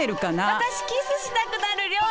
私キスしたくなる料理。